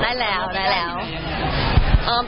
จะได้มาตรีด้วยค่ะใช่มั้ยค่ะชิ้นใหญ่อย่างไร